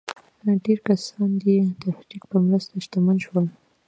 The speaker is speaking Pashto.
ډېر کسان د دې تحرک په مرسته شتمن شول.